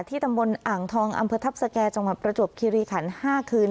ที่ตำบลอ่างทองอำเภอทัพสเกียร์จังหวัดประจวบคิริขันฯห้าคืน